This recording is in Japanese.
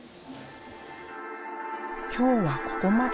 今日はここまで。